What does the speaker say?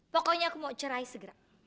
pokoknya aku mau cerai segera